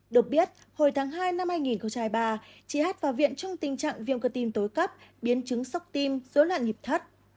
đột biết hồi tháng hai năm hai nghìn ba chị hát vào viện trong tình trạng viêm cơ tim tối cấp biến chứng sóc tim dối loạn hiệp thất